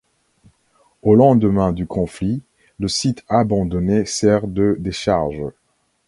Au lendemain du conflit, le site abandonné sert de décharge.